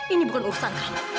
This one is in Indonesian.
ini bukan urusan kamu